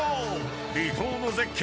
離島の絶景